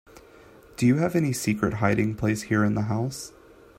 Do you have any secret hiding place here in the house?